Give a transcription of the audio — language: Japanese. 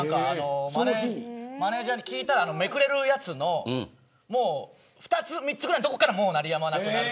マネジャーに聞いたらめくれるやつの２つ３つぐらいのところから鳴りやまなくなった。